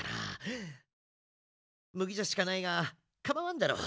むぎちゃしかないがかまわんだろう。